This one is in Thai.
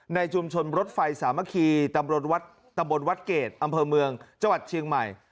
ในชุมชนรถไฟสามัคคีตำบลวัดตำบลวัดเกรดอำเภอเมืองจังหวัดเชียงใหม่